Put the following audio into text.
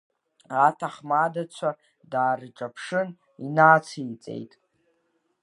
Аҭаҳмадацәа даарҿаԥшын, инациҵеит…